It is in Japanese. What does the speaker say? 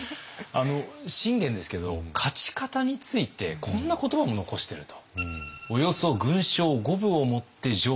信玄ですけど勝ち方についてこんな言葉も残していると。